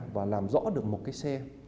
và làm rõ được một cái xe